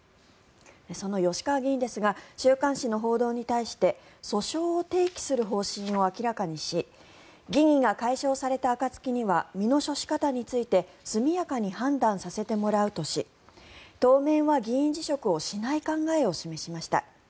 その吉川議員ですが週刊誌の報道に対して訴訟を提起する方針を明らかにし疑義が解消された暁には身の処し方について速やかに判断させてもらうとし当面は議員辞職をしない考えを示しました。